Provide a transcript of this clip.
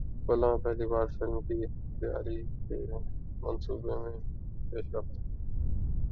خلا میں پہلی بار فلم کی تیاری کے منصوبے میں پیشرفت